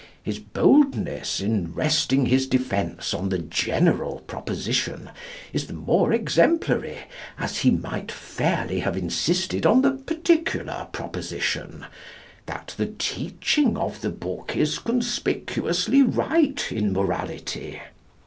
His boldness in resting his defence on the general proposition is the more exemplary, as he might fairly have insisted on the particular proposition that the teaching of the book is conspicuously right in morality.